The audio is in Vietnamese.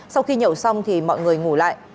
sau khi nhậu xong thì mọi người ngủ lại